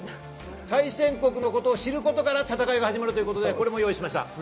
対戦国のことを知ることから戦いが始まるということで用意しました。